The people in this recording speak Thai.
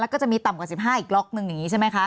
แล้วก็จะมีต่ำกว่า๑๕อีกล็อกนึงอย่างนี้ใช่ไหมคะ